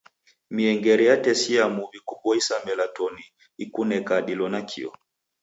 Miengere yatesia muw'i kuboisa melatoni ekuneka dilo nakio.